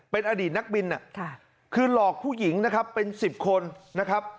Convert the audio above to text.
เป็นอดีตนักบินคือหลอกผู้หญิงนะครับเป็น๑๐คนนะครับ